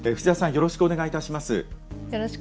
よろしくお願いします。